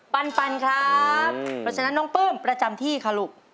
ปันครับปรับฉันนะน้องปื้มประจำที่คลุก